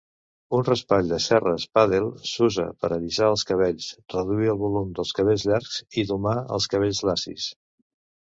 Un raspall de cerres "paddle" s'usa per a allisar els cabells, reduir el volum dels cabells llargs i domar els cabells lacis.